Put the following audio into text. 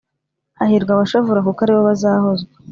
Hahirwa abashavura kuko aribo bazahozwa